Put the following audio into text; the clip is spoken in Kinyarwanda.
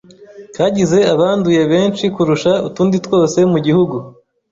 kagize abanduye benshi kurusha utundi twose mu gihugu